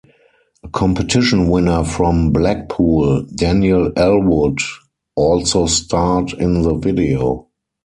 A competition winner from Blackpool, Daniel Ellwood, also starred in the video.